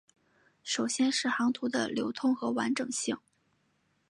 首先是航图的流通和完整性。